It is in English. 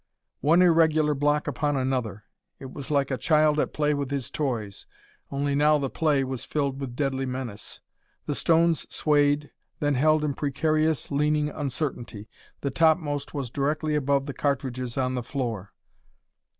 One irregular block upon another: it was like a child at play with his toys. Only now the play was filled with deadly menace. The stones swayed, then held in precarious, leaning uncertainty; the topmost was directly above the cartridges on the floor.